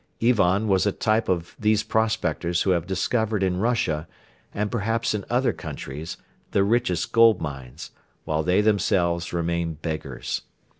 Ivan was a type of these prospectors who have discovered in Russia, and perhaps in other countries, the richest gold mines, while they themselves remain beggars.